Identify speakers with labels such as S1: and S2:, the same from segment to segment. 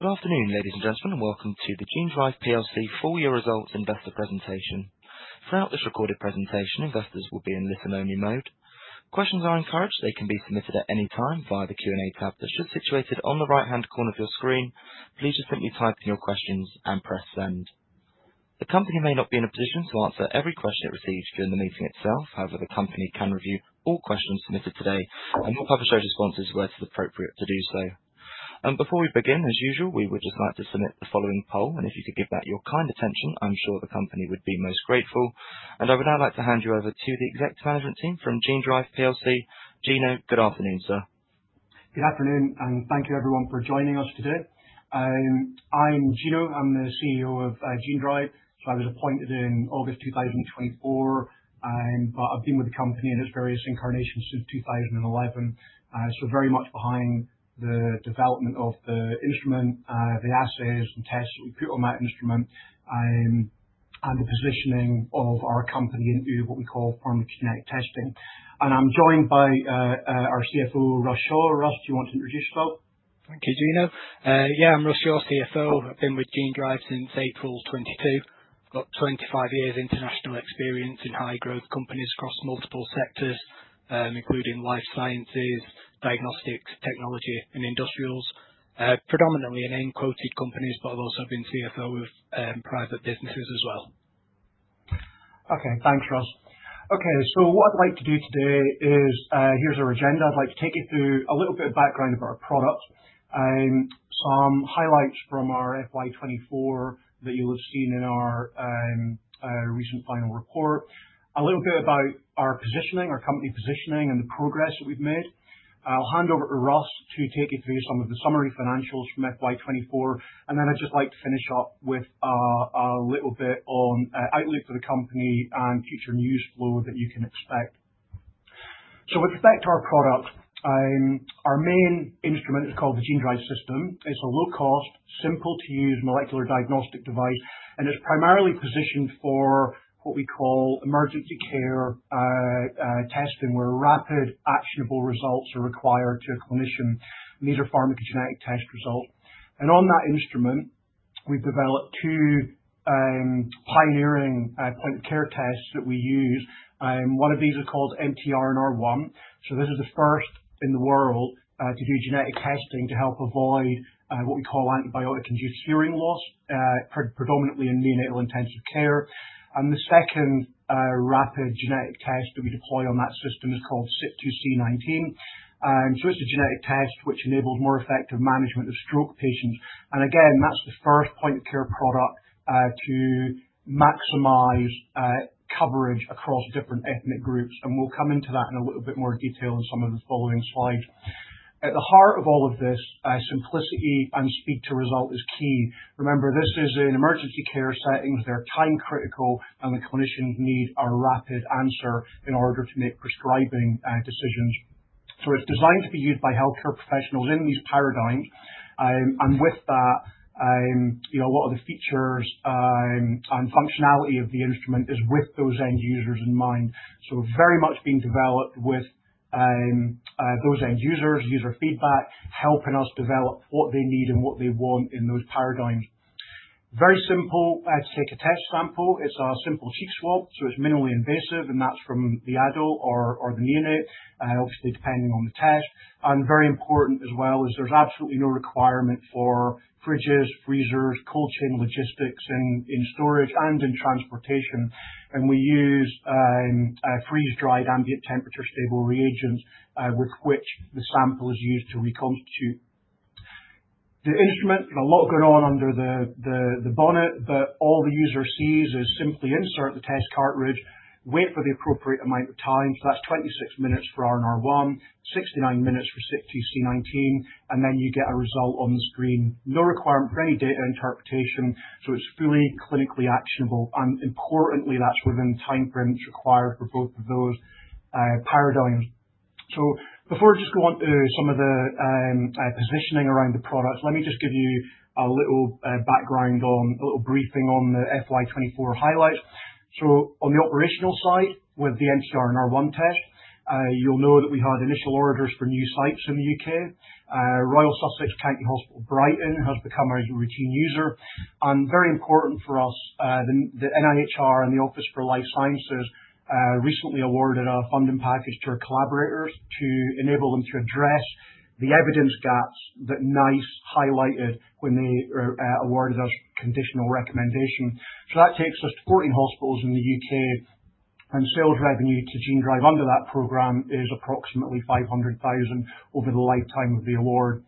S1: Good afternoon, ladies and gentlemen. Welcome to the Genedrive PLC full-year results investor presentation. Throughout this recorded presentation, investors will be in listen-only mode. Questions are encouraged. They can be submitted at any time via the Q&A tab that's just situated on the right-hand corner of your screen. Please just simply type in your questions and press send. The company may not be in a position to answer every question it receives during the meeting itself. However, the company can review all questions submitted today and will publish those responses where it's appropriate to do so, and before we begin, as usual, we would just like to submit the following poll, and if you could give that your kind attention, I'm sure the company would be most grateful, and I would now like to hand you over to the executive management team from Genedrive PLC. Gino, good afternoon, sir.
S2: Good afternoon, and thank you, everyone, for joining us today. I'm Gino. I'm the CEO of Genedrive. So I was appointed in August 2024, but I've been with the company in its various incarnations since 2011, so very much behind the development of the instrument, the assays, and tests that we put on that instrument, and the positioning of our company into what we call pharmaceutical testing. And I'm joined by our CFO, Russ Shaw. Russ, do you want to introduce yourself?
S3: Thank you, Gino. Yeah, I'm Russ Shaw, CFO. I've been with Genedrive since April 2022. I've got 25 years of international experience in high-growth companies across multiple sectors, including life sciences, diagnostics, technology, and industrials, predominantly in quoted companies, but I've also been CFO of private businesses as well.
S2: Okay, thanks, Russ. Okay, so what I'd like to do today is, here's our agenda. I'd like to take you through a little bit of background about our product, some highlights from our FY 2024 that you'll have seen in our recent final report, a little bit about our positioning, our company positioning, and the progress that we've made. I'll hand over to Russ to take you through some of the summary financials from FY 2024. And then I'd just like to finish up with a little bit on outlook for the company and future news flow that you can expect. So with respect to our product, our main instrument is called the Genedrive System. It's a low-cost, simple-to-use molecular diagnostic device, and it's primarily positioned for what we call emergency care testing, where rapid, actionable results are required to a clinician. These are pharmacogenetic test results. And on that instrument, we've developed two pioneering point-of-care tests that we use. One of these is called MT-RNR1. So this is the first in the world to do genetic testing to help avoid what we call antibiotic-induced hearing loss, predominantly in neonatal intensive care. And the second rapid genetic test that we deploy on that system is called CYP2C19. So it's a genetic test which enables more effective management of stroke patients. And again, that's the first point-of-care product to maximize coverage across different ethnic groups. And we'll come into that in a little bit more detail in some of the following slides. At the heart of all of this, simplicity and speed to result is key. Remember, this is an emergency care setting. They're time-critical, and the clinicians need a rapid answer in order to make prescribing decisions. It's designed to be used by healthcare professionals in these paradigms. And with that, a lot of the features and functionality of the instrument is with those end users in mind. So very much being developed with those end users, user feedback, helping us develop what they need and what they want in those paradigms. Very simple to take a test sample. It's a simple cheek swab, so it's minimally invasive, and that's from the adult or the neonate, obviously depending on the test. And very important as well is there's absolutely no requirement for fridges, freezers, cold chain logistics in storage and in transportation. And we use freeze-dried, ambient temperature-stable reagents with which the sample is used to reconstitute. The instrument, a lot going on under the bonnet, but all the user sees is simply insert the test cartridge, wait for the appropriate amount of time. So that's 26 minutes for MT-RNR1, 69 minutes for CYP2C19, and then you get a result on the screen. No requirement for any data interpretation. So it's fully clinically actionable. And importantly, that's within the time frame that's required for both of those paradigms. So before I just go on to some of the positioning around the product, let me just give you a little background on a little briefing on the FY 2024 highlights. So on the operational side with the MT-RNR1 test, you'll know that we had initial orders for new sites in the U.K. Royal Sussex County Hospital Brighton has become our routine user. And very important for us, the NIHR and the Office for Life Sciences recently awarded a funding package to our collaborators to enable them to address the evidence gaps that NICE highlighted when they awarded us conditional recommendation. That takes us to 14 hospitals in the U.K. Sales revenue to Genedrive under that program is approximately 500,000 over the lifetime of the award.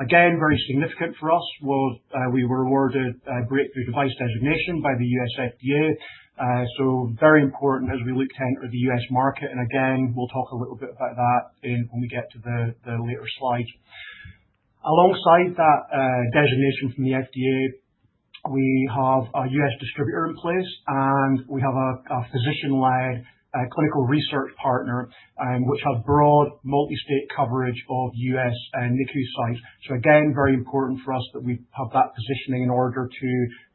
S2: Again, very significant for us was we were awarded a breakthrough device designation by the U.S. FDA. Very important as we look to enter the U.S. market. Again, we'll talk a little bit about that when we get to the later slides. Alongside that designation from the FDA, we have a U.S. distributor in place, and we have a physician-led clinical research partner which has broad multi-state coverage of U.S. NICU sites. Again, very important for us that we have that positioning in order to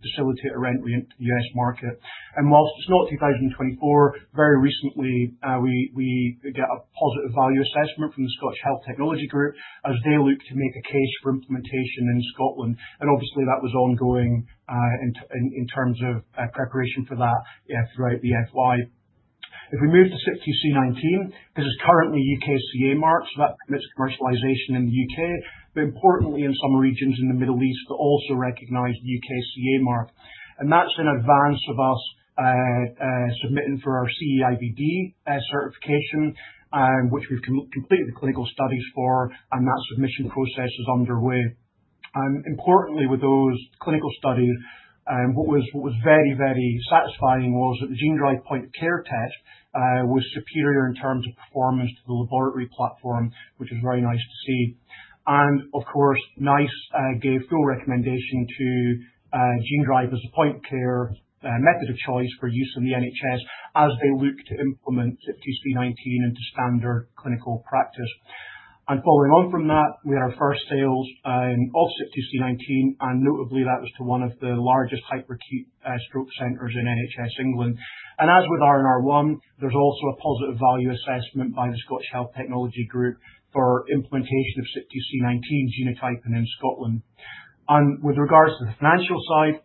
S2: facilitate a ramp rate into the U.S. market. While it's not 2024, very recently, we get a positive value assessment from the Scottish Health Technologies Group as they look to make a case for implementation in Scotland. Obviously, that was ongoing in terms of preparation for that throughout the FY. If we move to CYP2C19, this is currently UKCA marked, so that permits commercialization in the U.K., but importantly, in some regions in the Middle East, but also recognized UKCA marked. That's in advance of us submitting for our CE-IVD certification, which we've completed the clinical studies for, and that submission process is underway. Importantly, with those clinical studies, what was very, very satisfying was that the Genedrive point-of-care test was superior in terms of performance to the laboratory platform, which is very nice to see. Of course, NICE gave full recommendation to Genedrive as a point-of-care method of choice for use in the NHS as they look to implement CYP2C19 into standard clinical practice. Following on from that, we had our first sales of CYP2C19, and notably, that was to one of the largest hyperacute stroke centers in NHS England. As with RNR1, there's also a positive value assessment by the Scottish Health Technologies Group for implementation of CYP2C19 genotyping in Scotland. With regards to the financial side,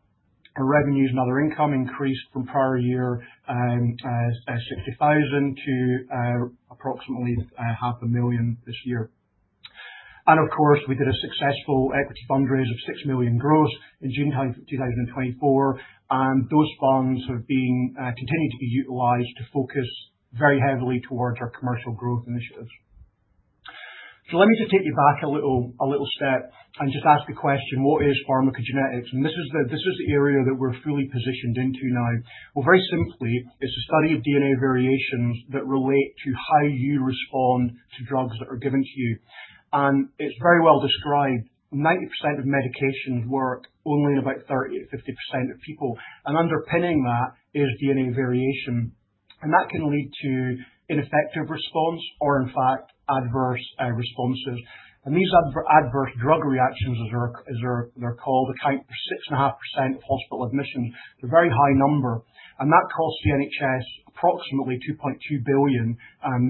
S2: our revenues and other income increased from prior year at 60,000 to approximately 500,000 this year. Of course, we did a successful equity fundraiser of 6 million gross in June 2024, and those funds have continued to be utilized to focus very heavily towards our commercial growth initiatives. Let me just take you back a little step and just ask a question: what is pharmacogenetics? And this is the area that we're fully positioned into now. Well, very simply, it's a study of DNA variations that relate to how you respond to drugs that are given to you. And it's very well described: 90% of medications work only in about 30%-50% of people. And underpinning that is DNA variation. And that can lead to ineffective response or, in fact, adverse responses. And these adverse drug reactions, as they're called, account for 6.5% of hospital admissions. It's a very high number. And that costs the NHS approximately 2.2 billion.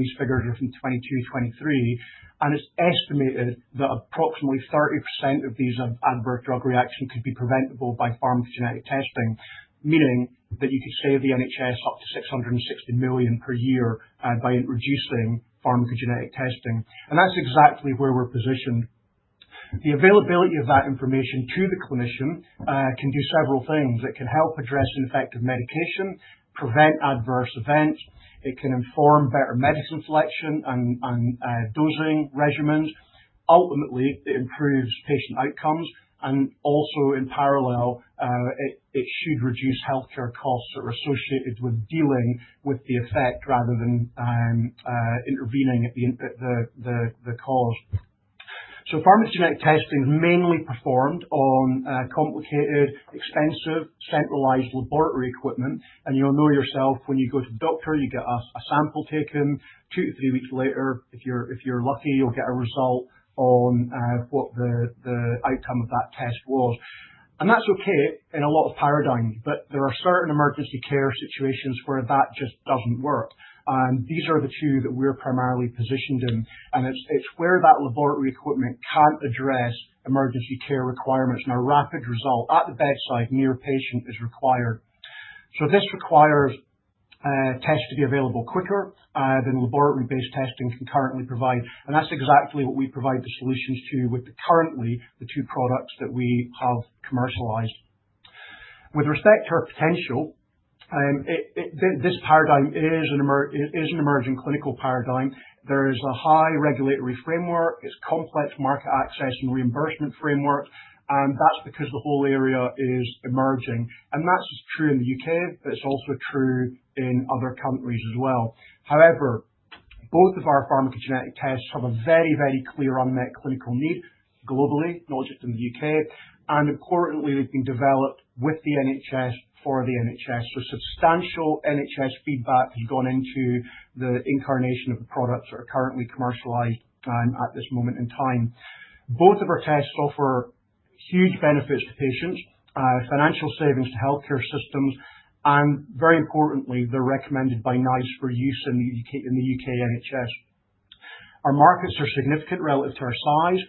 S2: These figures are from 2022, 2023. And it's estimated that approximately 30% of these adverse drug reactions could be preventable by pharmacogenetic testing, meaning that you could save the NHS up to 660 million per year by reducing pharmacogenetic testing. And that's exactly where we're positioned. The availability of that information to the clinician can do several things. It can help address ineffective medication, prevent adverse events. It can inform better medicine selection and dosing regimens. Ultimately, it improves patient outcomes. And also, in parallel, it should reduce healthcare costs that are associated with dealing with the effect rather than intervening at the cause. So pharmacogenetic testing is mainly performed on complicated, expensive, centralized laboratory equipment. And you'll know yourself when you go to the doctor, you get a sample taken. Two to three weeks later, if you're lucky, you'll get a result on what the outcome of that test was. And that's okay in a lot of paradigms, but there are certain emergency care situations where that just doesn't work. And these are the two that we're primarily positioned in. And it's where that laboratory equipment can't address emergency care requirements, and a rapid result at the bedside near a patient is required. So this requires tests to be available quicker than laboratory-based testing can currently provide. And that's exactly what we provide the solutions to with currently the two products that we have commercialized. With respect to our potential, this paradigm is an emerging clinical paradigm. There is a high regulatory framework. It's a complex market access and reimbursement framework. And that's because the whole area is emerging. And that's true in the U.K., but it's also true in other countries as well. However, both of our pharmacogenetic tests have a very, very clear unmet clinical need globally, not just in the U.K.. And importantly, they've been developed with the NHS for the NHS. So substantial NHS feedback has gone into the incarnation of the products that are currently commercialized at this moment in time. Both of our tests offer huge benefits to patients, financial savings to healthcare systems, and very importantly, they're recommended by NICE for use in the U.K. NHS. Our markets are significant relative to our size.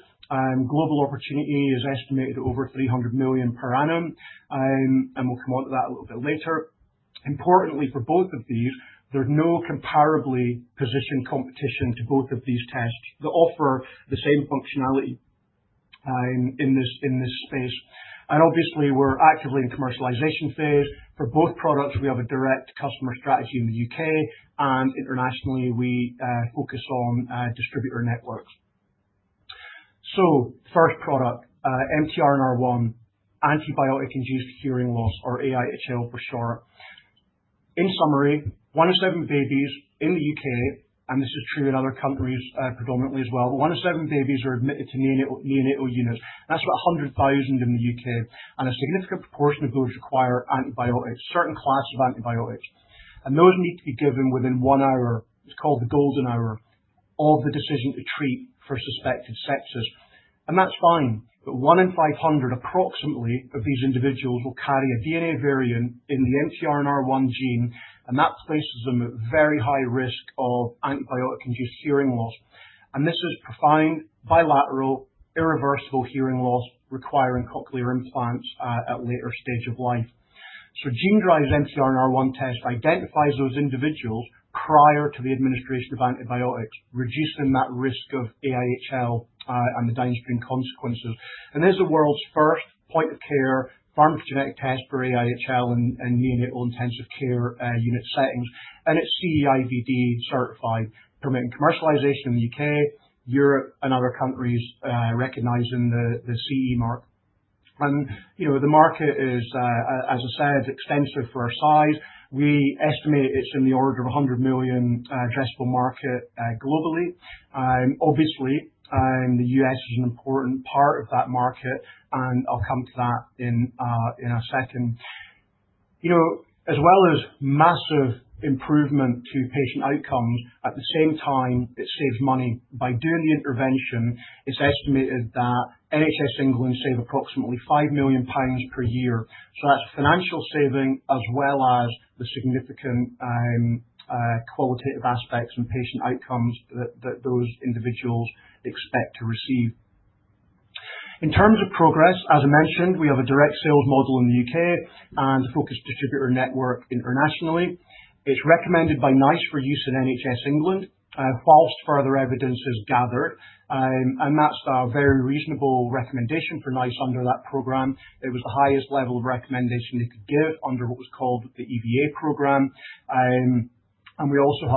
S2: Global opportunity is estimated at over 300 million per annum. And we'll come on to that a little bit later. Importantly, for both of these, there's no comparably positioned competition to both of these tests that offer the same functionality in this space. And obviously, we're actively in commercialization phase. For both products, we have a direct customer strategy in the U.K., and internationally, we focus on distributor networks. So first product, MT-RNR1, antibiotic-induced hearing loss, or AIHL for short. In summary, one in seven babies in the U.K., and this is true in other countries predominantly as well, but one in seven babies are admitted to neonatal units. That's about 100,000 in the U.K.. And a significant proportion of those require antibiotics, certain classes of antibiotics. And those need to be given within one hour. It's called the golden hour of the decision to treat for suspected sepsis. And that's fine. But one in 500, approximately, of these individuals will carry a DNA variant in the MT-RNR1 gene, and that places them at very high risk of antibiotic-induced hearing loss. And this is profound, bilateral, irreversible hearing loss requiring cochlear implants at a later stage of life. Genedrive's MT-RNR1 test identifies those individuals prior to the administration of antibiotics, reducing that risk of AIHL and the downstream consequences. This is the world's first point-of-care pharmacogenetic test for AIHL in neonatal intensive care unit settings. It's CE-IVD certified, permitting commercialization in the U.K., Europe, and other countries recognizing the CE mark. The market is, as I said, extensive for our size. We estimate it's in the order of 100 million addressable market globally. Obviously, the U.S. is an important part of that market, and I'll come to that in a second. As well as massive improvement to patient outcomes, at the same time, it saves money. By doing the intervention, it's estimated that NHS England save approximately 5 million pounds per year. That's financial saving as well as the significant qualitative aspects and patient outcomes that those individuals expect to receive. In terms of progress, as I mentioned, we have a direct sales model in the U.K. and a focused distributor network internationally. It's recommended by NICE for use in NHS England, whilst further evidence is gathered. And that's a very reasonable recommendation for NICE under that program. It was the highest level of recommendation they could give under what was called the EVA program. And we also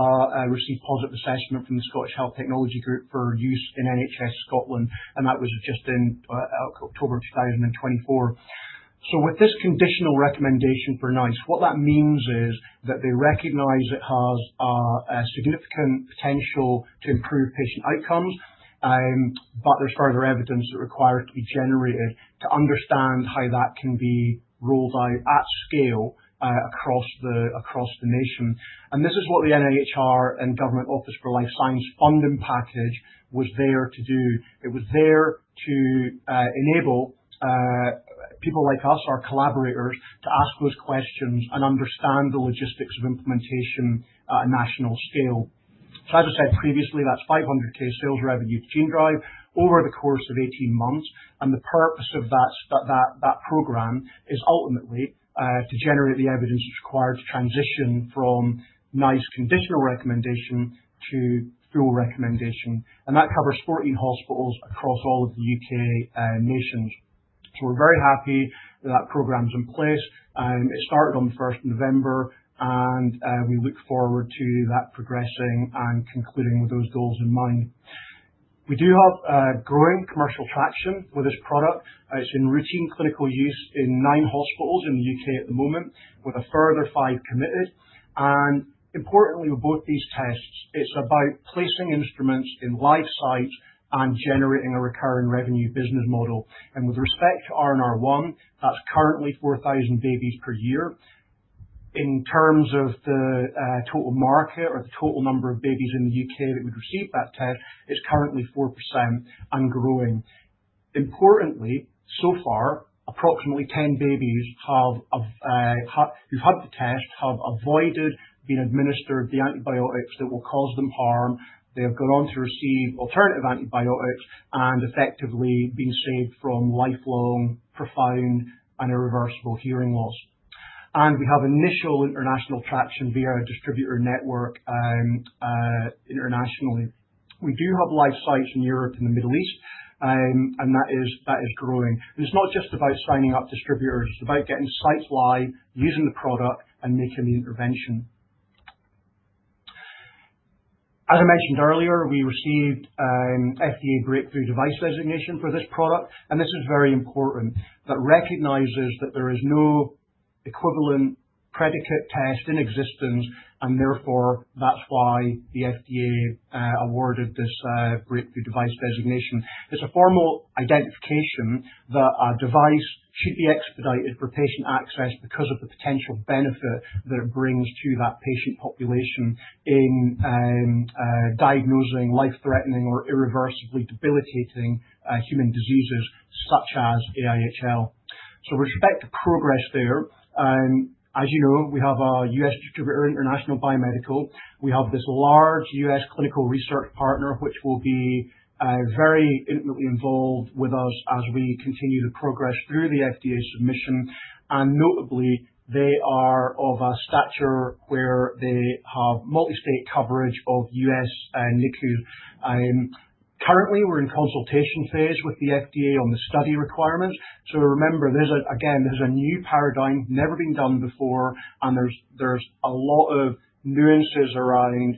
S2: received positive assessment from the Scottish Health Technologies Group for use in NHS Scotland. And that was just in October 2024. So with this conditional recommendation for NICE, what that means is that they recognize it has a significant potential to improve patient outcomes, but there's further evidence that requires to be generated to understand how that can be rolled out at scale across the nation. This is what the NIHR and Office for Life Sciences funding package was there to do. It was there to enable people like us, our collaborators, to ask those questions and understand the logistics of implementation at a national scale. As I said previously, that's 500,000 sales revenue to Genedrive over the course of 18 months. The purpose of that program is ultimately to generate the evidence that's required to transition from NICE conditional recommendation to full recommendation. That covers 14 hospitals across all of the U.K. nations. We're very happy that that program's in place. It started on the 1st of November, and we look forward to that progressing and concluding with those goals in mind. We do have growing commercial traction with this product. It's in routine clinical use in nine hospitals in the U.K. at the moment, with a further five committed. And importantly, with both these tests, it's about placing instruments in live sites and generating a recurring revenue business model. And with respect to RNR1, that's currently 4,000 babies per year. In terms of the total market or the total number of babies in the U.K. that would receive that test, it's currently 4% and growing. Importantly, so far, approximately 10 babies who've had the test have avoided being administered the antibiotics that will cause them harm. They have gone on to receive alternative antibiotics and effectively been saved from lifelong, profound, and irreversible hearing loss. And we have initial international traction via a distributor network internationally. We do have live sites in Europe and the Middle East, and that is growing. And it's not just about signing up distributors. It's about getting sites live, using the product, and making the intervention. As I mentioned earlier, we received FDA breakthrough device designation for this product. This is very important. That recognizes that there is no equivalent predicate test in existence, and therefore, that's why the FDA awarded this breakthrough device designation. It's a formal identification that a device should be expedited for patient access because of the potential benefit that it brings to that patient population in diagnosing life-threatening or irreversibly debilitating human diseases such as AIHL. With respect to progress there, as you know, we have a U.S. distributor International Biomedical. We have this large U.S. clinical research partner, which will be very intimately involved with us as we continue to progress through the FDA submission. Notably, they are of a stature where they have multi-state coverage of U.S. NICUs. Currently, we're in consultation phase with the FDA on the study requirements. So remember, again, this is a new paradigm, never been done before, and there's a lot of nuances around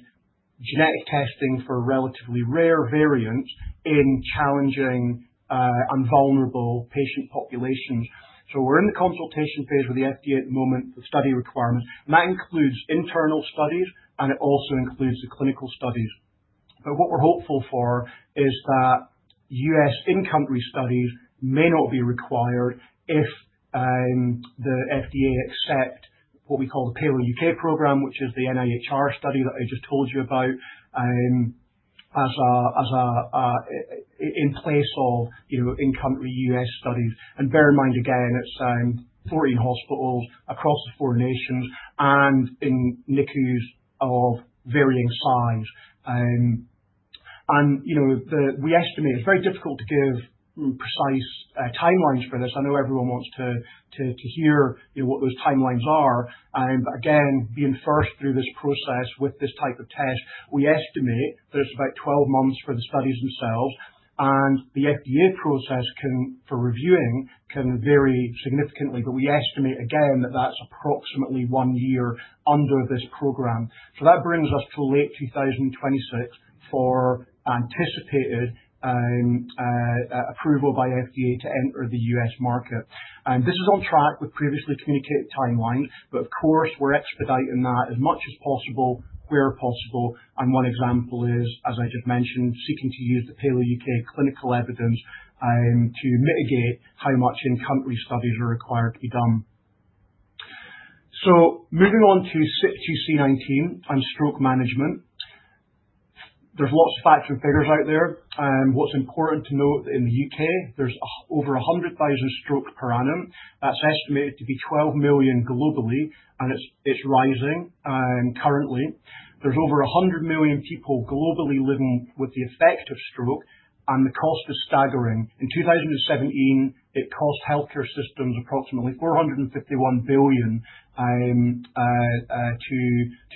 S2: genetic testing for relatively rare variants in challenging and vulnerable patient populations. So we're in the consultation phase with the FDA at the moment for the study requirements. And that includes internal studies, and it also includes the clinical studies. But what we're hopeful for is that U.S. in-country studies may not be required if the FDA accepts what we call the PALOH U.K. program, which is the NIHR study that I just told you about, in place of in-country U.S. studies. And bear in mind, again, it's 14 hospitals across the four nations and in NICUs of varying size. And we estimate it's very difficult to give precise timelines for this. I know everyone wants to hear what those timelines are, but again, being first through this process with this type of test, we estimate that it's about 12 months for the studies themselves, and the FDA process for reviewing can vary significantly, but we estimate, again, that that's approximately one year under this program, so that brings us to late 2026 for anticipated approval by FDA to enter the US market, and this is on track with previously communicated timelines, but of course, we're expediting that as much as possible where possible, and one example is, as I just mentioned, seeking to use the PALOH U.K. clinical evidence to mitigate how much in-country studies are required to be done, so moving on to CYP2C19 and stroke management. There's lots of facts and figures out there. What's important to note that in the U.K., there's over 100,000 strokes per annum. That's estimated to be 12 million globally, and it's rising currently. There's over 100 million people globally living with the effect of stroke, and the cost is staggering. In 2017, it cost healthcare systems approximately $451 billion to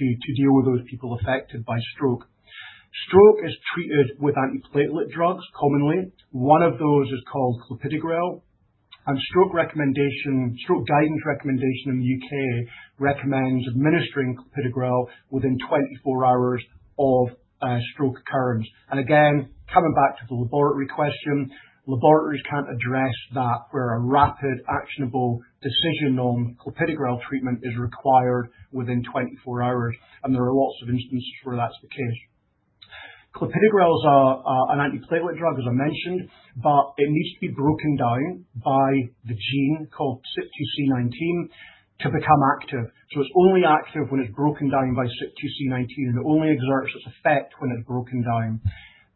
S2: deal with those people affected by stroke. Stroke is treated with antiplatelet drugs commonly. One of those is called clopidogrel, and stroke guidance recommendation in the U.K. recommends administering clopidogrel within 24 hours of stroke occurrence, and again, coming back to the laboratory question, laboratories can't address that where a rapid, actionable decision on clopidogrel treatment is required within 24 hours, and there are lots of instances where that's the case. Clopidogrel is an antiplatelet drug, as I mentioned, but it needs to be broken down by the gene called CYP2C19 to become active. It's only active when it's broken down by CYP2C19, and it only exerts its effect when it's broken down.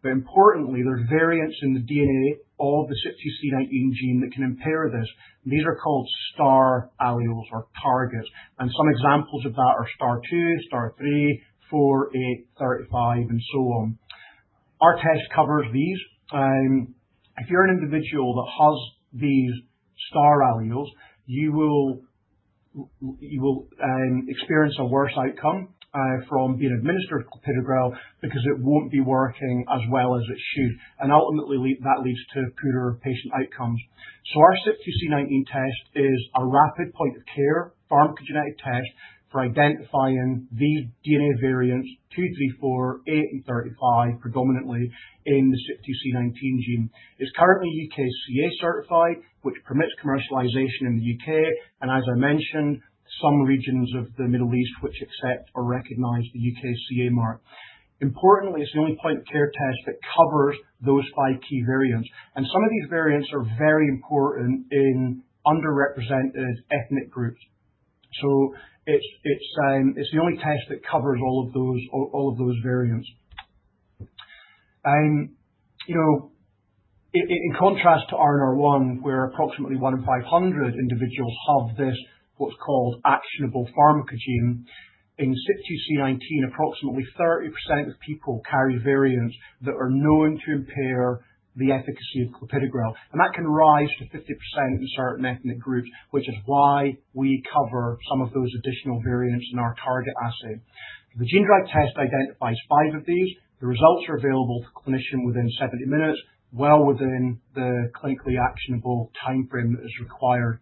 S2: Importantly, there's variants in the DNA of the CYP2C19 gene that can impair this. These are called star alleles or targets. Some examples of that are star 2, star 3, 4, 8, 35, and so on. Our test covers these. If you're an individual that has these star alleles, you will experience a worse outcome from being administered clopidogrel because it won't be working as well as it should. Ultimately, that leads to poorer patient outcomes. Our CYP2C19 test is a rapid point-of-care pharmacogenetic test for identifying these DNA variants 2, 3, 4, 8, and 35 predominantly in the CYP2C19 gene. It's currently UKCA certified, which permits commercialization in the U.K. As I mentioned, some regions of the Middle East accept or recognize the UKCA mark. Importantly, it is the only point-of-care test that covers those five key variants. Some of these variants are very important in underrepresented ethnic groups. It is the only test that covers all of those variants. In contrast to RNR1, where approximately one in 500 individuals have this, what is called actionable pharmacogene, in CYP2C19, approximately 30% of people carry variants that are known to impair the efficacy of clopidogrel. That can rise to 50% in certain ethnic groups, which is why we cover some of those additional variants in our target assay. The Genedrive test identifies five of these. The results are available to clinicians within 70 minutes, well within the clinically actionable timeframe that is required.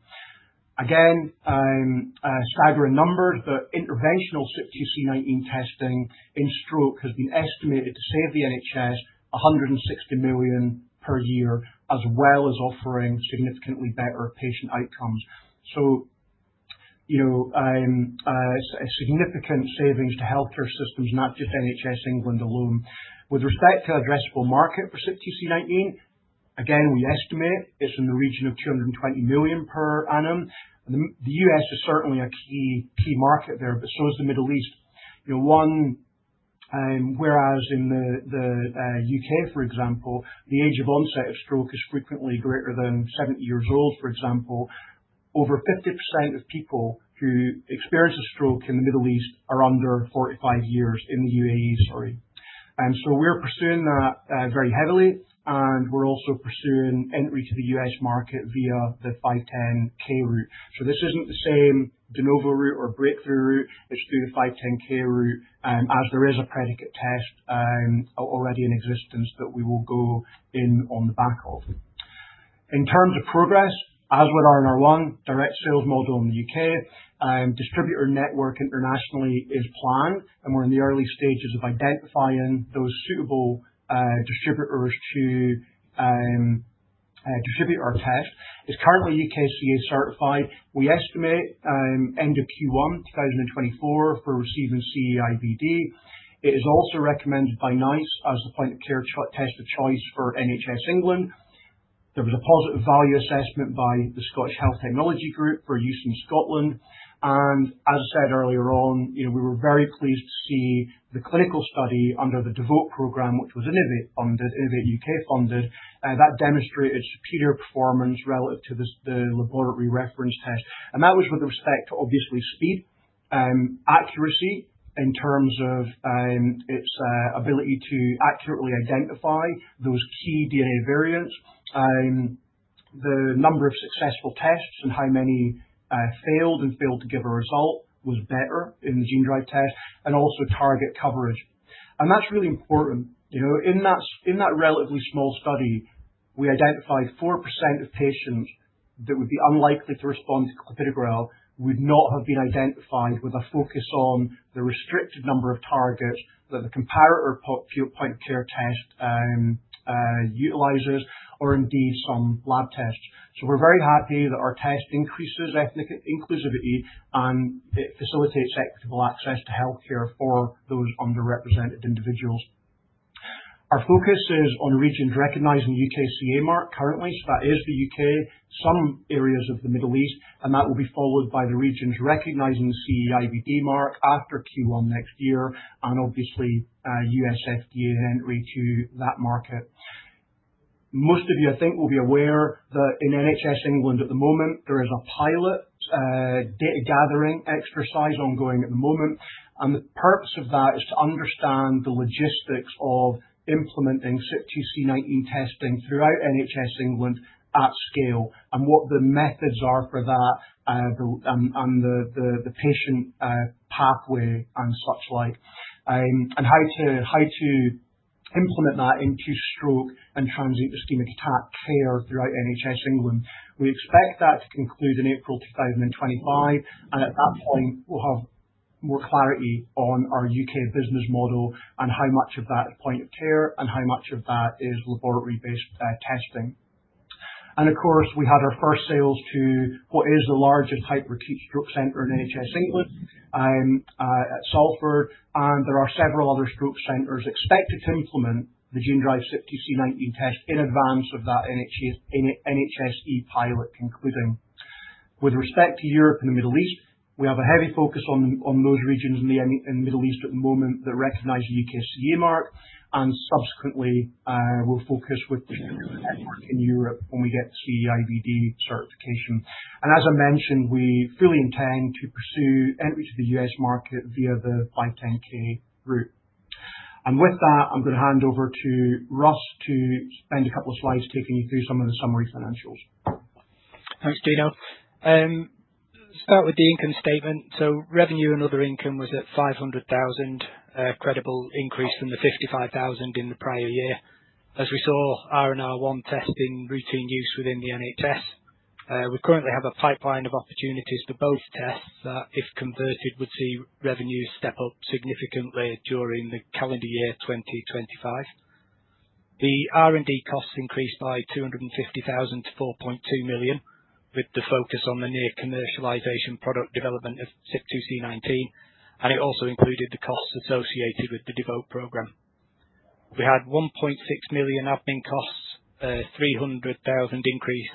S2: Again, staggering numbers, but interventional CYP2C19 testing in stroke has been estimated to save the NHS 160 million GBP per year, as well as offering significantly better patient outcomes. So significant savings to healthcare systems, not just NHS England alone. With respect to addressable market for CYP2C19, again, we estimate it's in the region of 220 million GBP per annum. The U.S. is certainly a key market there, but so is the Middle East. Whereas in the U.K., for example, the age of onset of stroke is frequently greater than 70 years old, for example. Over 50% of people who experience a stroke in the Middle East are under 45 years in the UAE, sorry. And so we're pursuing that very heavily, and we're also pursuing entry to the U.S. market via the 510(k) route. So this isn't the same de novo route or breakthrough route. It's through the 510(k) route, as there is a predicate test already in existence that we will go in on the back of. In terms of progress, as with RNR1, direct sales model in the U.K., distributor network internationally is planned, and we're in the early stages of identifying those suitable distributors to distribute our test. It's currently UKCA certified. We estimate end of Q1 2024 for receiving CE-IVD. It is also recommended by NICE as the point-of-care test of choice for NHS England. There was a positive value assessment by the Scottish Health Technologies Group for use in Scotland. And as I said earlier on, we were very pleased to see the clinical study under the DEVOTE program, which was Innovate U.K. funded. That demonstrated superior performance relative to the laboratory reference test. And that was with respect to, obviously, speed, accuracy in terms of its ability to accurately identify those key DNA variants, the number of successful tests and how many failed and failed to give a result was better in the Genedrive test, and also target coverage. And that's really important. In that relatively small study, we identified 4% of patients that would be unlikely to respond to clopidogrel would not have been identified with a focus on the restricted number of targets that the comparator point-of-care test utilizes, or indeed some lab tests. So we're very happy that our test increases ethnic inclusivity and it facilitates equitable access to healthcare for those underrepresented individuals. Our focus is on regions recognizing UKCA mark currently, so that is the U.K., some areas of the Middle East, and that will be followed by the regions recognizing the CE-IVD mark after Q1 next year, and obviously, U.S. FDA entry to that market. Most of you, I think, will be aware that in NHS England at the moment, there is a pilot data gathering exercise ongoing. The purpose of that is to understand the logistics of implementing CYP2C19 testing throughout NHS England at scale, and what the methods are for that and the patient pathway and such like, and how to implement that into stroke and transient ischemic attack care throughout NHS England. We expect that to conclude in April 2025, and at that point, we'll have more clarity on our U.K. business model and how much of that is point-of-care and how much of that is laboratory-based testing. And of course, we had our first sales to what is the largest hyperacute stroke center in NHS England at Salford, and there are several other stroke centers expected to implement the Genedrive CYP2C19 test in advance of that NHSE pilot concluding. With respect to Europe and the Middle East, we have a heavy focus on those regions in the Middle East at the moment that recognize the UKCA mark, and subsequently, we'll focus with the Genedrive network in Europe when we get the CE-IVD certification. And as I mentioned, we fully intend to pursue entry to the U.S. market via the 510(k) route. With that, I'm going to hand over to Russ to spend a couple of slides taking you through some of the summary financials.
S3: Thanks, Gino. Start with the income statement. So revenue and other income was at 500,000, a credible increase from the 55,000 in the prior year, as we saw RNR1 testing routine use within the NHS. We currently have a pipeline of opportunities for both tests that, if converted, would see revenues step up significantly during the calendar year 2025. The R&D costs increased by 250,000 to 4.2 million, with the focus on the near-commercialization product development of CYP2C19, and it also included the costs associated with the DEVOTE program. We had 1.6 million admin costs, a 300,000 increase,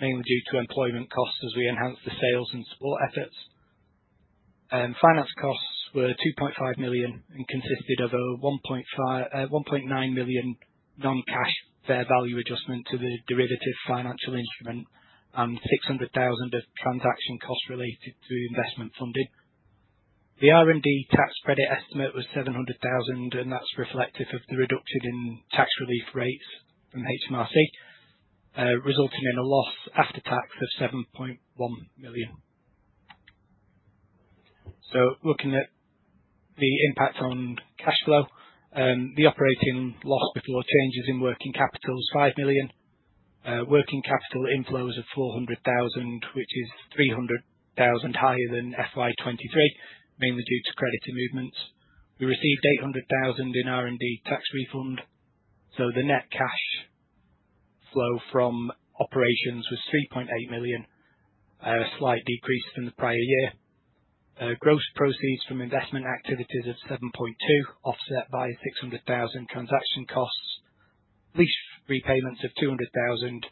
S3: mainly due to employment costs as we enhanced the sales and support efforts. Finance costs were 2.5 million and consisted of a 1.9 million non-cash fair value adjustment to the derivative financial instrument and 600,000 of transaction costs related to investment funding. The R&D tax credit estimate was 700,000, and that's reflective of the reduction in tax relief rates from HMRC, resulting in a loss after tax of 7.1 million. So looking at the impact on cash flow, the operating loss before changes in working capital is 5 million. Working capital inflows of 400,000, which is 300,000 higher than FY 2023, mainly due to credit improvements. We received 800,000 in R&D tax refund. So the net cash flow from operations was 3.8 million, a slight decrease from the prior year. Gross proceeds from investment activities of 7.2 million, offset by 600,000 transaction costs, lease repayments of 200,000,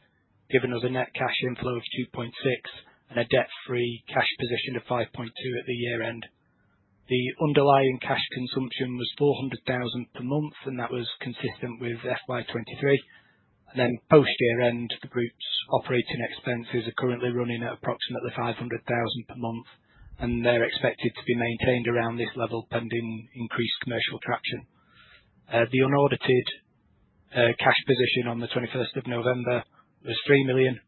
S3: giving us a net cash inflow of 2.6 million, and a debt-free cash position of 5.2 million at the year-end. The underlying cash consumption was 400,000 per month, and that was consistent with FY 2023. Post-year-end, the group's operating expenses are currently running at approximately 500,000 per month, and they're expected to be maintained around this level pending increased commercial traction. The unaudited cash position on the 21st of November was 3 million,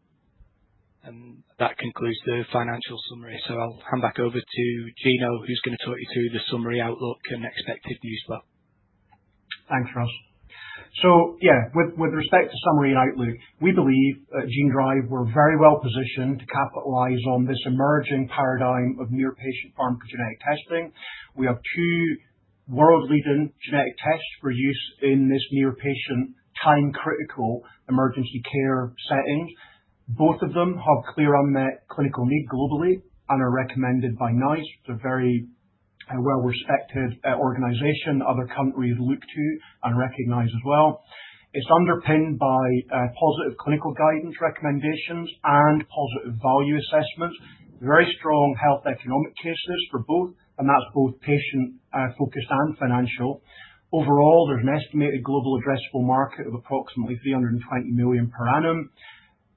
S3: and that concludes the financial summary. I'll hand back over to Gino, who's going to talk you through the summary outlook and expected news flow.
S2: Thanks, Russ. So yeah, with respect to summary and outlook, we believe at Genedrive we're very well positioned to capitalize on this emerging paradigm of near-patient pharmacogenetic testing. We have two world-leading genetic tests for use in this near-patient time-critical emergency care setting. Both of them have clear unmet clinical need globally and are recommended by NICE. It's a very well-respected organization other countries look to and recognize as well. It's underpinned by positive clinical guidance recommendations and positive value assessments, very strong health economic cases for both, and that's both patient-focused and financial. Overall, there's an estimated global addressable market of approximately 320 million per annum.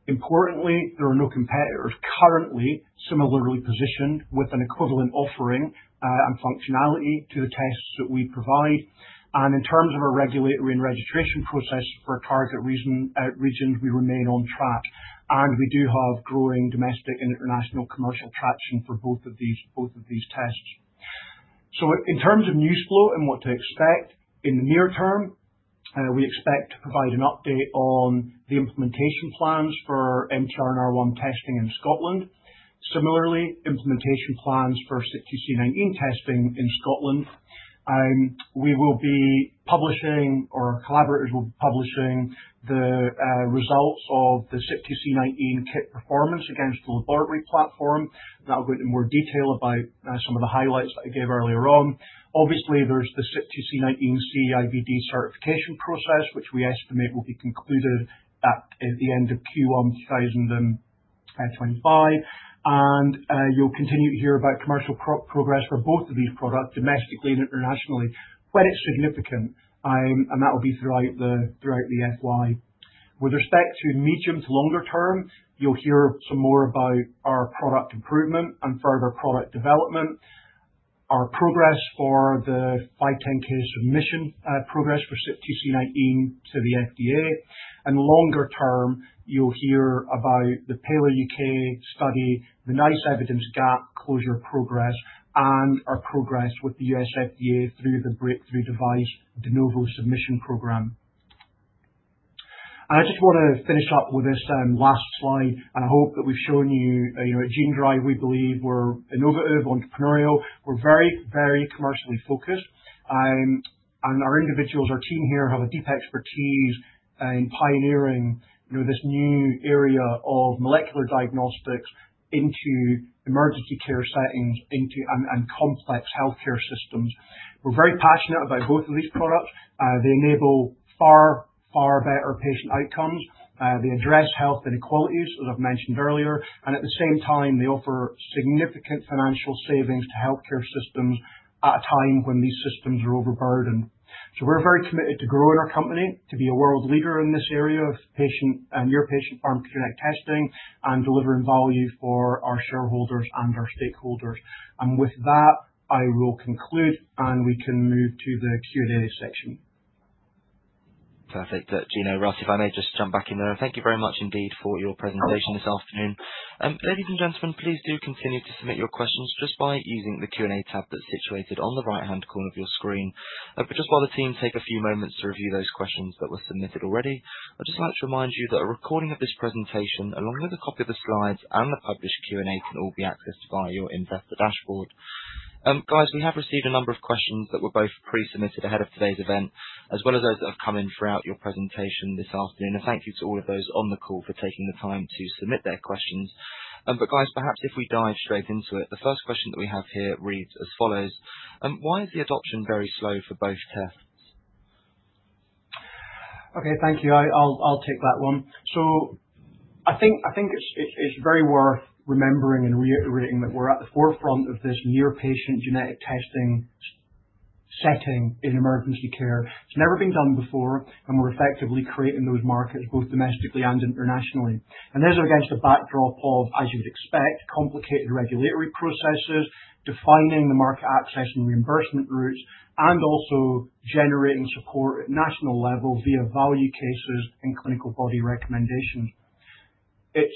S2: Importantly, there are no competitors currently similarly positioned with an equivalent offering and functionality to the tests that we provide. In terms of our regulatory and registration process for target regions, we remain on track, and we do have growing domestic and international commercial traction for both of these tests. In terms of news flow and what to expect in the near term, we expect to provide an update on the implementation plans for MT-RNR1 testing in Scotland. Similarly, implementation plans for CYP2C19 testing in Scotland. We will be publishing, or collaborators will be publishing, the results of the CYP2C19 kit performance against the laboratory platform. That'll go into more detail about some of the highlights that I gave earlier on. Obviously, there's the CYP2C19 CE-IVD certification process, which we estimate will be concluded at the end of Q1 2025. You'll continue to hear about commercial progress for both of these products domestically and internationally when it's significant, and that'll be throughout the FY. With respect to medium to longer term, you'll hear some more about our product improvement and further product development, our progress for the 510(k) submission for CYP2C19 to the FDA. And longer term, you'll hear about the PALOH U.K. study, the NICE evidence gap closure progress, and our progress with the U.S. FDA through the breakthrough device de novo submission program. And I just want to finish up with this last slide, and I hope that we've shown you at Genedrive, we believe we're innovative, entrepreneurial. We're very, very commercially focused, and our individuals, our team here have a deep expertise in pioneering this new area of molecular diagnostics into emergency care settings and complex healthcare systems. We're very passionate about both of these products. They enable far, far better patient outcomes. They address health inequalities, as I've mentioned earlier, and at the same time, they offer significant financial savings to healthcare systems at a time when these systems are overburdened. So we're very committed to growing our company to be a world leader in this area of patient and near-patient pharmacogenetic testing and delivering value for our shareholders and our stakeholders. And with that, I will conclude, and we can move to the Q&A section.
S1: Perfect. Gino, Russ, if I may just jump back in there, and thank you very much indeed for your presentation this afternoon. Ladies and gentlemen, please do continue to submit your questions just by using the Q&A tab that's situated on the right-hand corner of your screen. But just while the team take a few moments to review those questions that were submitted already, I'd just like to remind you that a recording of this presentation, along with a copy of the slides and the published Q&A, can all be accessed via your Investor Dashboard. Guys, we have received a number of questions that were both pre-submitted ahead of today's event, as well as those that have come in throughout your presentation this afternoon. And thank you to all of those on the call for taking the time to submit their questions. But guys, perhaps if we dive straight into it, the first question that we have here reads as follows: Why is the adoption very slow for both tests?
S2: Okay, thank you. I'll take that one. So I think it's very worth remembering and reiterating that we're at the forefront of this near-patient genetic testing setting in emergency care. It's never been done before, and we're effectively creating those markets both domestically and internationally. And this is against a backdrop of, as you would expect, complicated regulatory processes, defining the market access and reimbursement routes, and also generating support at national level via value cases and clinical body recommendations. It's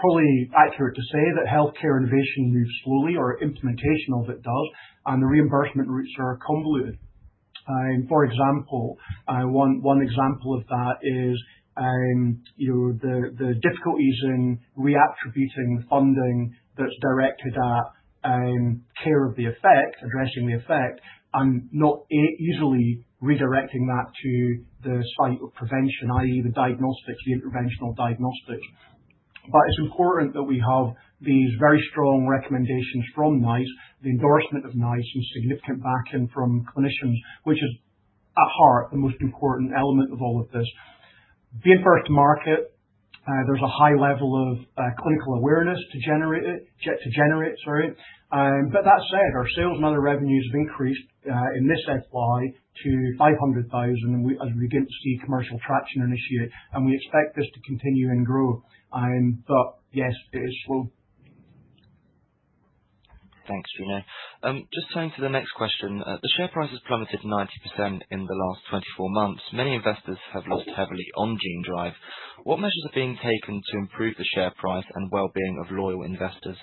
S2: probably accurate to say that healthcare innovation moves slowly, or implementation of it does, and the reimbursement routes are convoluted. For example, one example of that is the difficulties in reattributing funding that's directed at care of the effect, addressing the effect, and not easily redirecting that to the site of prevention, i.e., the diagnostics, the interventional diagnostics. But it's important that we have these very strong recommendations from NICE, the endorsement of NICE, and significant backing from clinicians, which is at heart the most important element of all of this. Being first to market, there's a high level of clinical awareness to generate it. But that said, our sales and other revenues have increased in this FY to 500,000 as we begin to see commercial traction initiate, and we expect this to continue and grow. But yes, it is slow.
S1: Thanks, Gino. Just turning to the next question. The share price has plummeted 90% in the last 24 months. Many investors have lost heavily on Genedrive. What measures are being taken to improve the share price and well-being of loyal investors?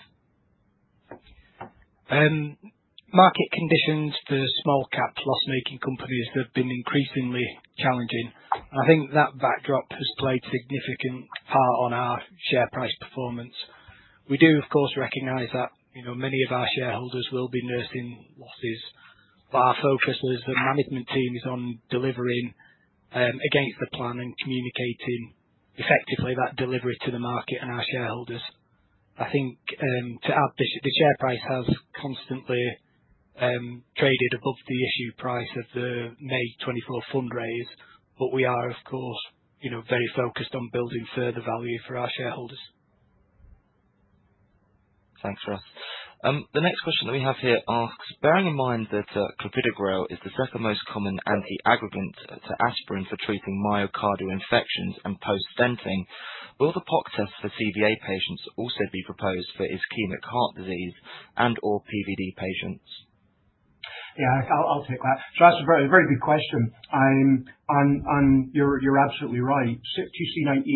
S3: Market conditions for small-cap loss-making companies have been increasingly challenging, and I think that backdrop has played a significant part on our share price performance. We do, of course, recognize that many of our shareholders will be nursing losses, but our focus as the management team is on delivering against the plan and communicating effectively that delivery to the market and our shareholders. I think to add, the share price has constantly traded above the issue price of the May 2024 fundraise, but we are, of course, very focused on building further value for our shareholders.
S1: Thanks, Russ. The next question that we have here asks, bearing in mind that Clopidogrel is the second most common antiplatelet to aspirin for treating myocardial infarctions and post-stenting, will the POC test for CVA patients also be proposed for ischemic heart disease and/or PVD patients?
S2: Yeah, I'll take that. So that's a very good question. And you're absolutely right. CYP2C19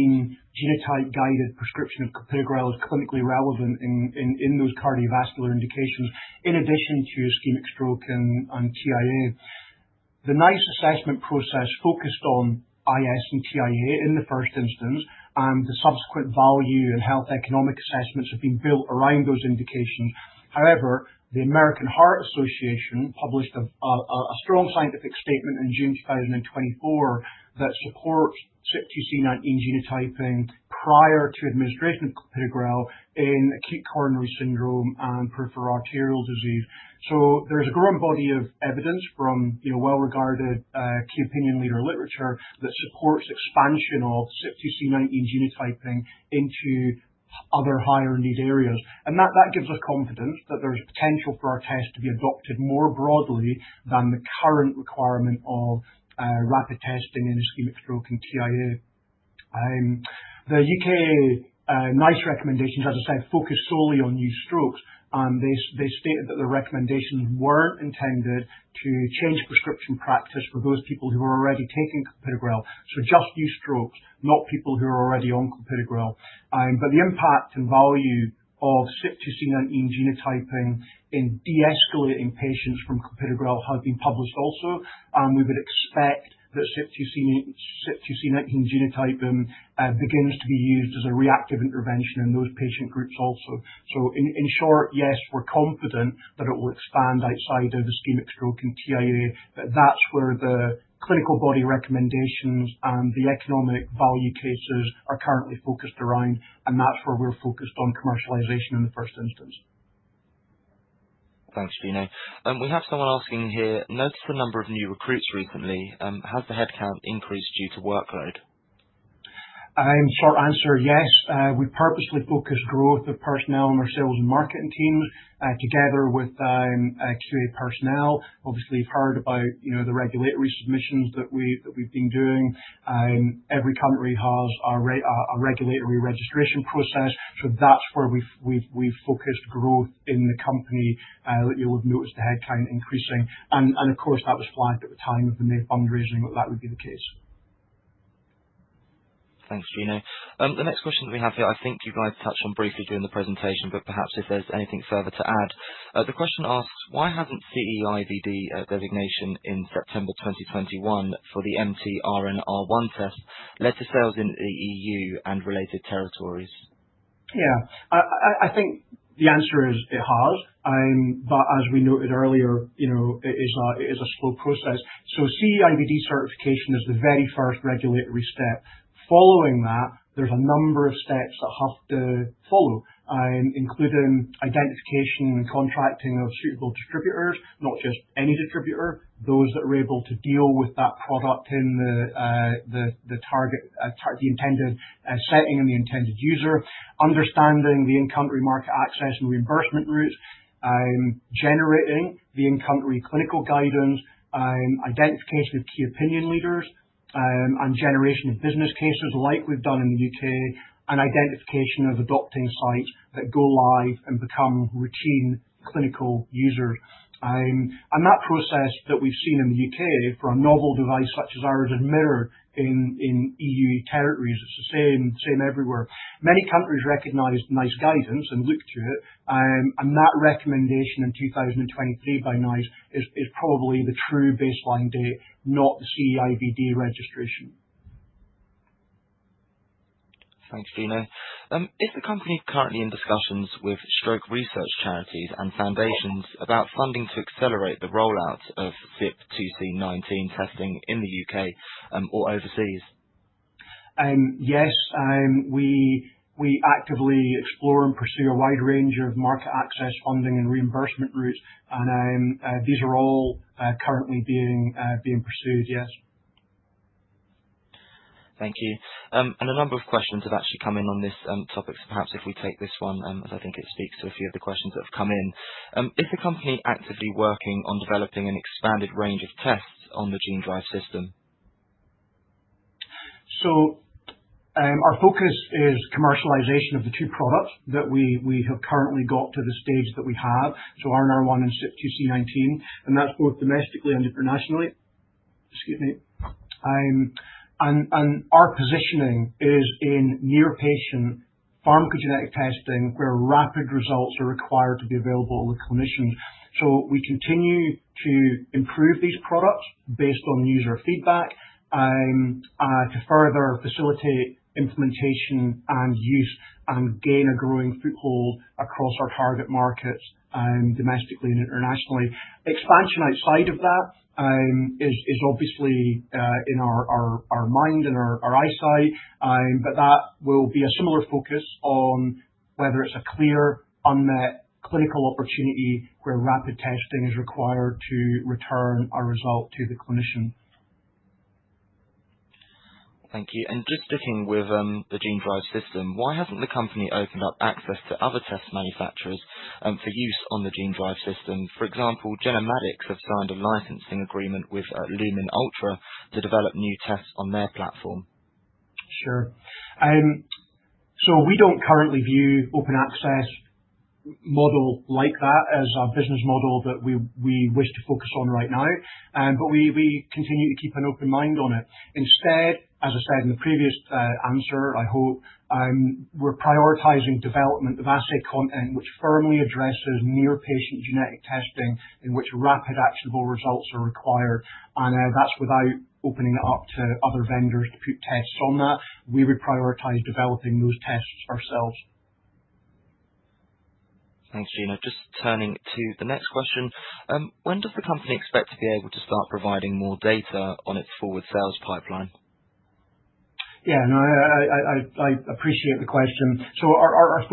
S2: genotype-guided prescription of Clopidogrel is clinically relevant in those cardiovascular indications, in addition to ischemic stroke and TIA. The NICE assessment process focused on IS and TIA in the first instance, and the subsequent value and health economic assessments have been built around those indications. However, the American Heart Association published a strong scientific statement in June 2024 that supports CYP2C19 genotyping prior to administration of Clopidogrel in acute coronary syndrome and peripheral arterial disease. So there's a growing body of evidence from well-regarded key opinion leader literature that supports expansion of CYP2C19 genotyping into other higher need areas. And that gives us confidence that there's potential for our test to be adopted more broadly than the current requirement of rapid testing in ischemic stroke and TIA. The U.K. NICE recommendations, as I said, focus solely on new strokes, and they stated that the recommendations weren't intended to change prescription practice for those people who were already taking Clopidogrel. So just new strokes, not people who are already on Clopidogrel. But the impact and value of CYP2C19 genotyping in de-escalating patients from Clopidogrel has been published also, and we would expect that CYP2C19 genotyping begins to be used as a reactive intervention in those patient groups also. So in short, yes, we're confident that it will expand outside of ischemic stroke and TIA, but that's where the clinical body recommendations and the economic value cases are currently focused around, and that's where we're focused on commercialization in the first instance.
S1: Thanks, Gino. We have someone asking here, notice the number of new recruits recently. Has the headcount increased due to workload?
S2: Short answer, yes. We've purposely focused growth of personnel in our sales and marketing teams together with QA personnel. Obviously, you've heard about the regulatory submissions that we've been doing. Every country has a regulatory registration process, so that's where we've focused growth in the company. You'll have noticed the headcount increasing, and of course, that was flagged at the time of the May fundraising that that would be the case.
S1: Thanks, Gino. The next question that we have here, I think you guys touched on briefly during the presentation, but perhaps if there's anything further to add. The question asks, why hasn't CE-IVD designation in September 2021 for the MT-RNR1 test led to sales in the EU and related territories?
S2: Yeah, I think the answer is it has, but as we noted earlier, it is a slow process. So CE-IVD certification is the very first regulatory step. Following that, there's a number of steps that have to follow, including identification and contracting of suitable distributors, not just any distributor, those that are able to deal with that product in the intended setting and the intended user, understanding the in-country market access and reimbursement routes, generating the in-country clinical guidance, identification of key opinion leaders, and generation of business cases like we've done in the U.K., and identification of adopting sites that go live and become routine clinical users, and that process that we've seen in the U.K. for a novel device such as ours and mirrors in EU territories, it's the same everywhere. Many countries recognize NICE guidance and look to it, and that recommendation in 2023 by NICE is probably the true baseline date, not the CE-IVD registration.
S1: Thanks, Gino. Is the company currently in discussions with stroke research charities and foundations about funding to accelerate the rollout of CYP2C19 testing in the U.K. or overseas?
S2: Yes, we actively explore and pursue a wide range of market access funding and reimbursement routes, and these are all currently being pursued, yes.
S1: Thank you. And a number of questions have actually come in on this topic, so perhaps if we take this one, as I think it speaks to a few of the questions that have come in. Is the company actively working on developing an expanded range of tests on the Genedrive System?
S2: So our focus is commercialization of the two products that we have currently got to the stage that we have, so RNR1 and CYP2C19, and that's both domestically and internationally. Excuse me. And our positioning is in near-patient pharmacogenetic testing where rapid results are required to be available to the clinicians. So we continue to improve these products based on user feedback to further facilitate implementation and use and gain a growing foothold across our target markets domestically and internationally. Expansion outside of that is obviously in our mind and our eyesight, but that will be a similar focus on whether it's a clear, unmet clinical opportunity where rapid testing is required to return a result to the clinician.
S1: Thank you, and just sticking with the Genedrive system, why hasn't the company opened up access to other test manufacturers for use on the Genedrive system? For example, Genomadix have signed a licensing agreement with LumenUltra to develop new tests on their platform.
S2: Sure. So we don't currently view open access model like that as our business model that we wish to focus on right now, but we continue to keep an open mind on it. Instead, as I said in the previous answer, I hope, we're prioritizing development of assay content which firmly addresses near-patient genetic testing in which rapid actionable results are required, and that's without opening it up to other vendors to put tests on that. We would prioritize developing those tests ourselves.
S1: Thanks, Gino. Just turning to the next question. When does the company expect to be able to start providing more data on its forward sales pipeline?
S2: Yeah, no, I appreciate the question. So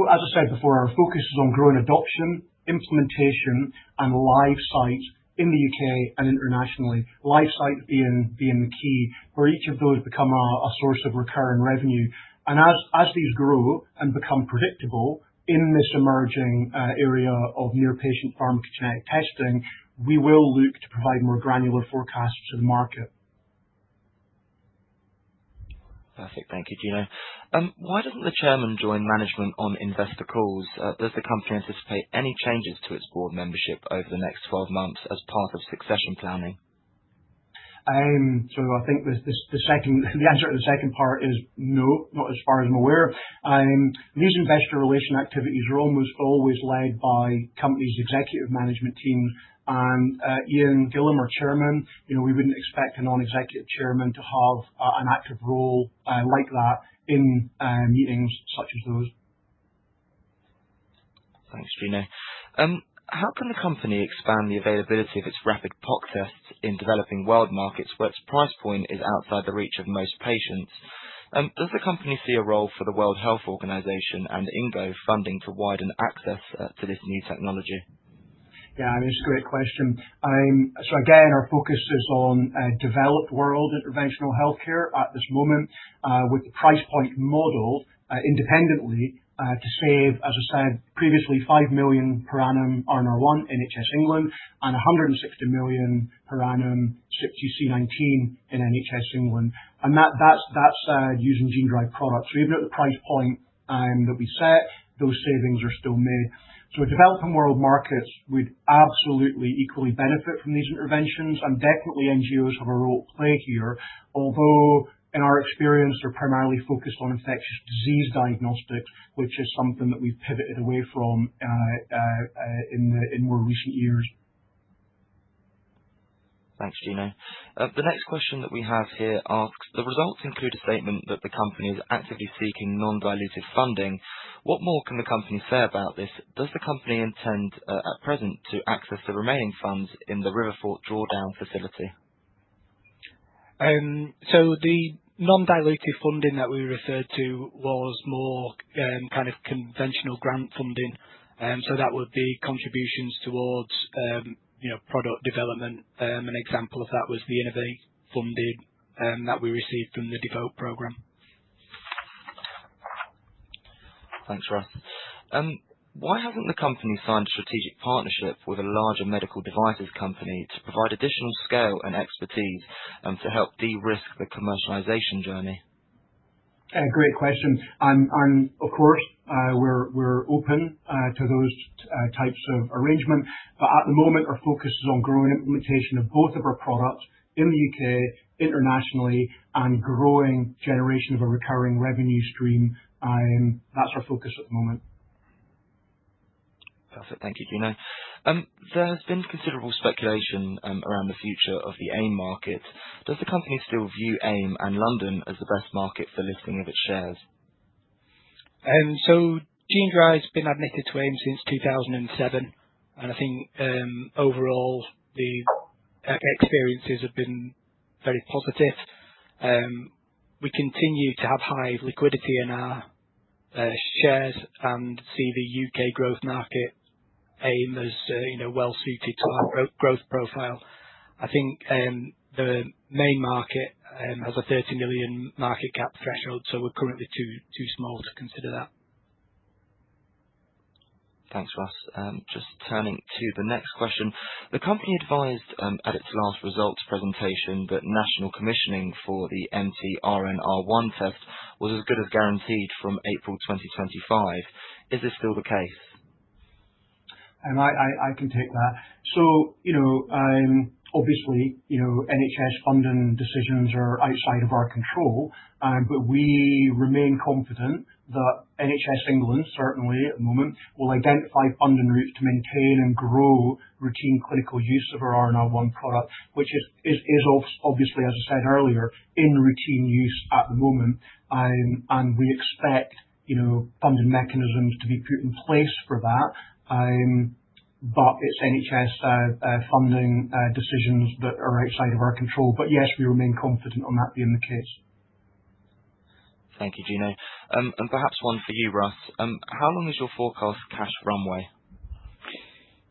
S2: as I said before, our focus is on growing adoption, implementation, and live sites in the U.K. and internationally. Live sites being the key where each of those become a source of recurring revenue, and as these grow and become predictable in this emerging area of near-patient pharmacogenetic testing, we will look to provide more granular forecasts to the market.
S1: Perfect. Thank you, Gino. Why doesn't the chairman join management on investor calls? Does the company anticipate any changes to its board membership over the next 12 months as part of succession planning?
S2: I think the answer to the second part is no, not as far as I'm aware. These investor relation activities are almost always led by companies' executive management teams, and Ian Gilham are chairmen. We wouldn't expect a non-executive chairman to have an active role like that in meetings such as those.
S1: Thanks, Gino. How can the company expand the availability of its rapid POC tests in developing world markets where its price point is outside the reach of most patients? Does the company see a role for the World Health Organization and INGO funding to widen access to this new technology?
S2: Yeah, I mean, it's a great question. So again, our focus is on developed world interventional healthcare at this moment with the price point modeled independently to save, as I said previously, five million per annum RNR1 NHS England and 160 million per annum CYP2C19 in NHS England. And that's using Genedrive products. So even at the price point that we set, those savings are still made. So developing world markets would absolutely equally benefit from these interventions, and definitely NGOs have a role to play here, although in our experience, they're primarily focused on infectious disease diagnostics, which is something that we've pivoted away from in more recent years.
S1: Thanks, Gino. The next question that we have here asks, the results include a statement that the company is actively seeking non-dilutive funding. What more can the company say about this? Does the company intend at present to access the remaining funds in the RiverFort drawdown facility?
S3: The non-dilutive funding that we referred to was more kind of conventional grant funding, so that would be contributions towards product development. An example of that was the Innovate funding that we received from the DEVOTE program.
S1: Thanks, Russ. Why hasn't the company signed a strategic partnership with a larger medical devices company to provide additional scale and expertise and to help de-risk the commercialization journey?
S2: Great question. And of course, we're open to those types of arrangements, but at the moment, our focus is on growing implementation of both of our products in the U.K., internationally, and growing generation of a recurring revenue stream. That's our focus at the moment.
S1: Perfect. Thank you, Gino. There has been considerable speculation around the future of the AIM market. Does the company still view AIM and London as the best market for listing of its shares?
S3: Genedrive has been admitted to AIM since 2007, and I think overall, the experiences have been very positive. We continue to have high liquidity in our shares and see the U.K. growth market AIM as well-suited to our growth profile. I think the main market has a 30 million market cap threshold, so we're currently too small to consider that.
S1: Thanks, Russ. Just turning to the next question. The company advised at its last results presentation that national commissioning for the MT-RNR1 test was as good as guaranteed from April 2025. Is this still the case?
S2: I can take that. So obviously, NHS London decisions are outside of our control, but we remain confident that NHS England, certainly at the moment, will identify funding routes to maintain and grow routine clinical use of our RNR1 product, which is obviously, as I said earlier, in routine use at the moment. We expect funding mechanisms to be put in place for that, but it's NHS funding decisions that are outside of our control. Yes, we remain confident on that being the case.
S1: Thank you, Gino. And perhaps one for you, Russ. How long is your forecast cash runway?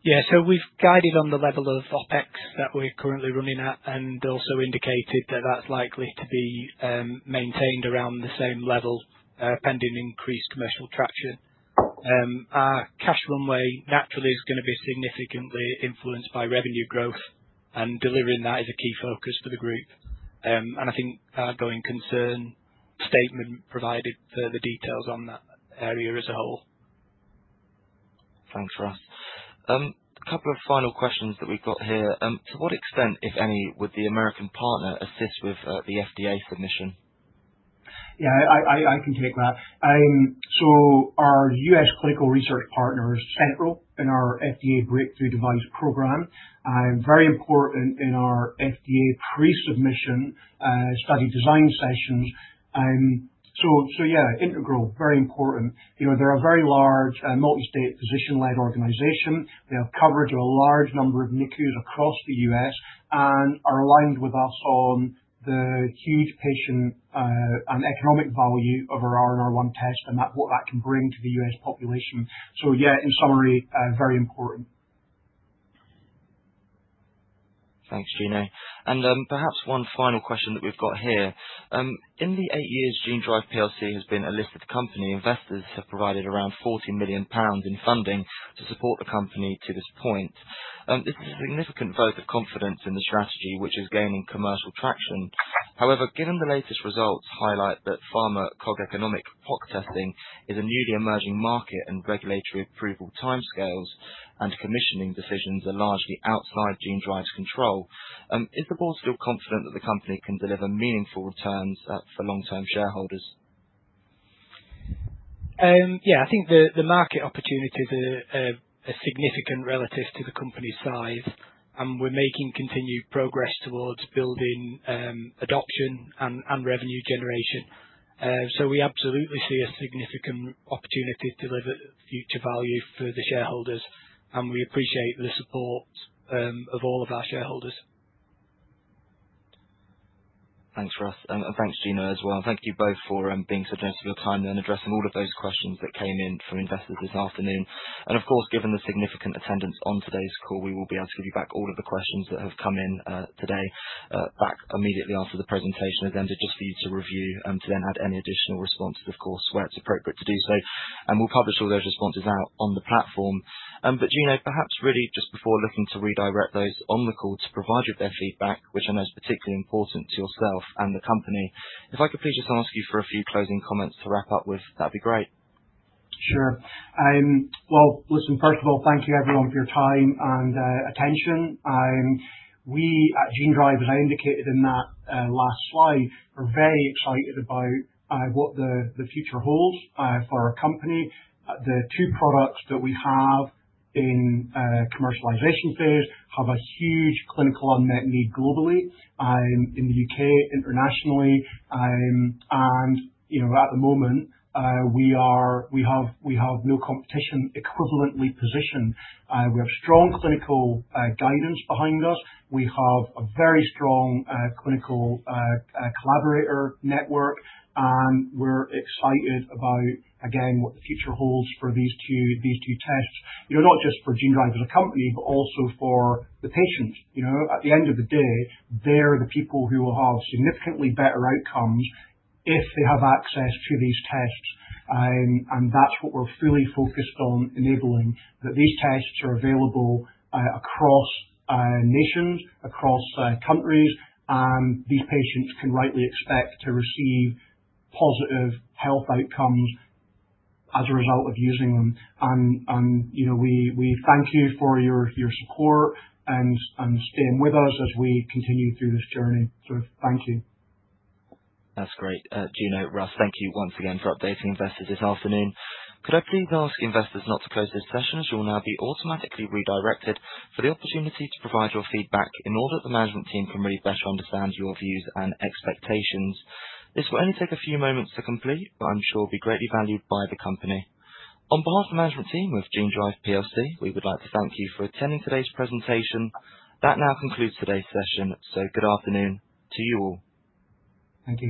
S3: Yeah, so we've guided on the level of OpEx that we're currently running at and also indicated that that's likely to be maintained around the same level pending increased commercial traction. Our cash runway naturally is going to be significantly influenced by revenue growth, and delivering that is a key focus for the group, and I think our going concern statement provided further details on that area as a whole.
S1: Thanks, Russ. A couple of final questions that we've got here. To what extent, if any, would the American partner assist with the FDA submission?
S2: Yeah, I can take that. Our U.S. clinical research partner is central in our FDA breakthrough device program, very important in our FDA pre-submission study design sessions. Yeah, integral, very important. They are a very large multi-state physician-led organization. They have coverage of a large number of NICUs across the U.S. and are aligned with us on the huge patient and economic value of our RNR1 test and what that can bring to the U.S. population. Yeah, in summary, very important.
S1: Thanks, Gino. And perhaps one final question that we've got here. In the eight years Genedrive PLC has been a listed company, investors have provided around 40 million pounds in funding to support the company to this point. This is a significant vote of confidence in the strategy, which is gaining commercial traction. However, given the latest results highlight that pharmacoeconomic POC testing is a newly emerging market and regulatory approval timescales and commissioning decisions are largely outside Genedrive's control, is the board still confident that the company can deliver meaningful returns for long-term shareholders?
S3: Yeah, I think the market opportunities are significant relative to the company's size, and we're making continued progress towards building adoption and revenue generation. So we absolutely see a significant opportunity to deliver future value for the shareholders, and we appreciate the support of all of our shareholders.
S1: Thanks, Russ, and thanks, Gino, as well. Thank you both for being so generous of your time and addressing all of those questions that came in from investors this afternoon, and of course, given the significant attendance on today's call, we will be able to give you back all of the questions that have come in today back immediately after the presentation has ended, just for you to review and to then add any additional responses, of course, where it's appropriate to do so. We'll publish all those responses out on the platform, but Gino, perhaps really just before looking to redirect those on the call to provide you with their feedback, which I know is particularly important to yourself and the company, if I could please just ask you for a few closing comments to wrap up with, that'd be great.
S2: Sure. Well, listen, first of all, thank you everyone for your time and attention. We, at Genedrive, as I indicated in that last slide, are very excited about what the future holds for our company. The two products that we have in commercialization phase have a huge clinical unmet need globally in the U.K., internationally. And at the moment, we have no competition equivalently positioned. We have strong clinical guidance behind us. We have a very strong clinical collaborator network, and we're excited about, again, what the future holds for these two tests, not just for Genedrive as a company, but also for the patients. At the end of the day, they're the people who will have significantly better outcomes if they have access to these tests. That's what we're fully focused on enabling, that these tests are available across nations, across countries, and these patients can rightly expect to receive positive health outcomes as a result of using them. We thank you for your support and staying with us as we continue through this journey. Thank you.
S1: That's great. Gino, Russ, thank you once again for updating investors this afternoon. Could I please ask investors not to close this session as you will now be automatically redirected for the opportunity to provide your feedback in order that the management team can really better understand your views and expectations? This will only take a few moments to complete, but I'm sure will be greatly valued by the company. On behalf of the management team with Genedrive PLC, we would like to thank you for attending today's presentation. That now concludes today's session, so good afternoon to you all.
S2: Thank you.